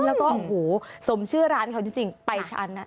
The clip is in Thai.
แล้วก็โอ้โหสมชื่อร้านเขาจริงไปทานนะ